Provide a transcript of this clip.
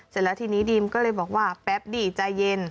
เสร็จแล้วทีนี้ดีมก็เลยบอกว่าแป๊บดีใจเย็น